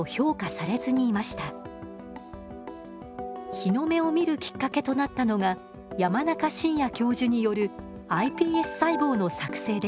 日の目を見るきっかけとなったのが山中伸弥教授によるｉＰＳ細胞の作製でした。